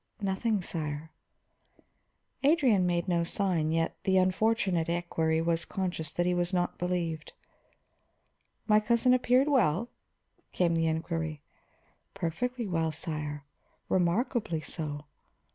"Nothing, sire." Adrian made no sign, yet the unfortunate equery was conscious that he was not believed. "My cousin appeared well?" came the inquiry. "Perfectly well, sire. Remarkably so."